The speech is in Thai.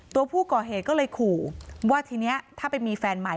ตัวผู้ก่อเหตุก็เลยขู่ว่าทีนี้ถ้าไปมีแฟนใหม่